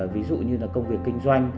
ví dụ như là công việc kinh doanh